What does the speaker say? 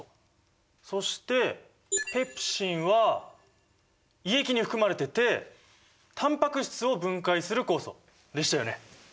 そしてペプシンは胃液に含まれててタンパク質を分解する酵素でしたよね？